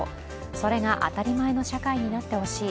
それが当たり前の社会になってほしい。